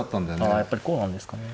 あやっぱりこうなんですかね。